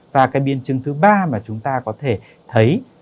và cái biến chứng thứ ba mà chúng ta có thể thấy